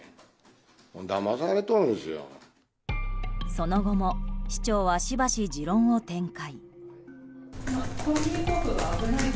その後も市長はしばし持論を展開。